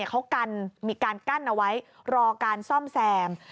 เขากันมีการกั้นเอาไว้รอการซ่อมแซม